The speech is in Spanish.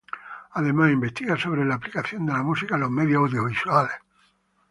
Además, investiga sobre la aplicación de la música en los medios audiovisuales.